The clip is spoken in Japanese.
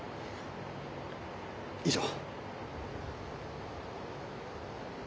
以上。